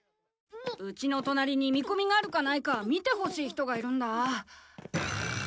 うちの隣にみこみがあるかないか見てほしい人がいるんだ。